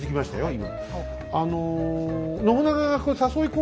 今。